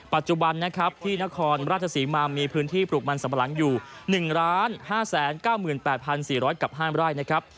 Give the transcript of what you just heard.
ปัจจุบันนะครับที่นครราชศรีมามีพื้นที่ปลูกมันสัมปะหลังอยู่๑๕๙๘๔๐๐กับ๕ไร่นะครับ